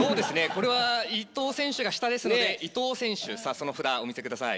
これは伊藤選手が下ですので伊藤選手さあその札お見せください。